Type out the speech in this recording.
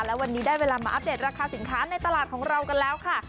และวันนี้ได้เวลามาอัปเดตราคาสินค้าในตลาดของเรากันแล้วค่ะ